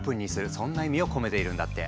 そんな意味を込めているんだって。